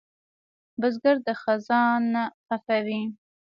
بزګر د خزان نه خفه وي